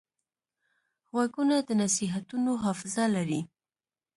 غوږونه د نصیحتونو حافظه لري